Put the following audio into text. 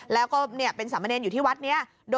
แล้วก็เนี้ยเป็นสามเณรอยู่ที่วัด